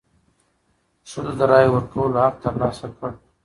ښځو د رایې ورکولو حق تر لاسه کړ.